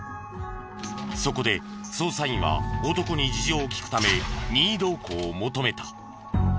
そこで捜査員は男に事情を聞くため任意同行を求めた。